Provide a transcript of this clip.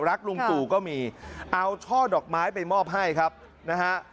ลุงตู่ก็มีเอาช่อดอกไม้ไปมอบให้ครับนะฮะ